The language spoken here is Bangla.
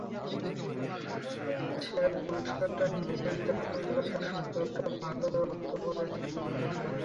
সেরা পুরস্কারটা নিজেদের দখলে রাখার সূত্রটা ভালোই রপ্ত করেছে তিন বন্ধু।